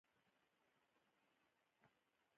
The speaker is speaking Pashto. • ثانیه د پرمختګ کلید ده.